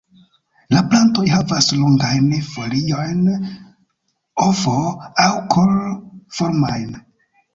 La plantoj havas longajn foliojn ovo- aŭ kor-formajn.